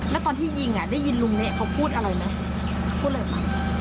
แล้วตอนที่ยิงได้ยินลุงเนะเขาพูดอะไรไหมพูดอะไรมา